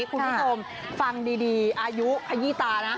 คุณผู้ชมฟังดีอายุขยี้ตานะ